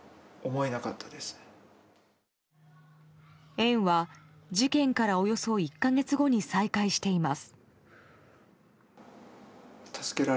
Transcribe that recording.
園は、事件からおよそ１か月後に再開しています。